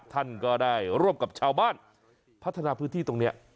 ท่านก็ได้ร่วมกับชาวบ้านพัฒนาพื้นที่ตรงนี้